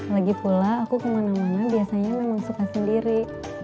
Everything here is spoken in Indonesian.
lagipula aku kemana mana biasanya memang suka sendiri